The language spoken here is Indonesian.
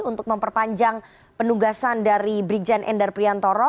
untuk memperpanjang penugasan dari brikjen endar priyantara